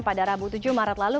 pada rabu tujuh maret lalu